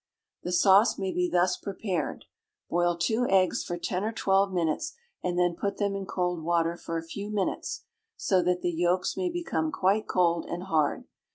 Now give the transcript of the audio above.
The sauce may be thus prepared: Boil two eggs for ten or twelve minutes, and then put them in cold water for a few minutes, so that the yolks may become quite cold and hard.